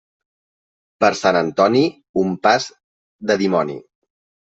Per Sant Antoni, un pas de dimoni.